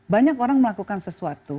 banyak orang melakukan sesuatu